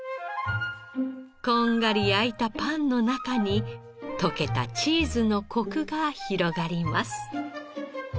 こんがり焼いたパンの中に溶けたチーズのコクが広がります。